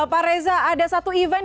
pak reza ada satu event